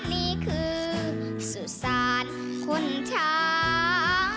นี่คือสุศานคุณชาม